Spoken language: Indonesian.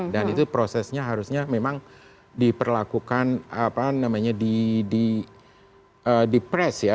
dan itu prosesnya harusnya memang diperlakukan apa namanya di press ya